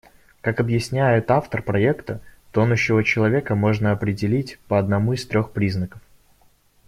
Как объясняет автор проекта, тонущего человека можно определить по одному из трёх признаков.